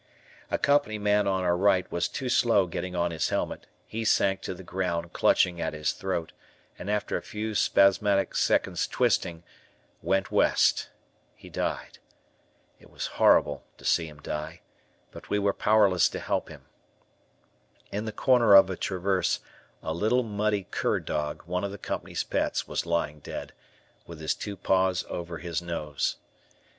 A company man on our right was too slow in getting on his helmet; he sank to the ground, clutching at his throat, and after a few spasmodic twisting, went West (died). It was horrible to see him die, but we were powerless to help him. In the corner of a traverse, a little, muddy cur dog, one of the company's pets, was lying dead, with his two paws over his nose.